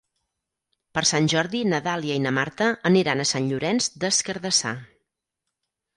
Per Sant Jordi na Dàlia i na Marta aniran a Sant Llorenç des Cardassar.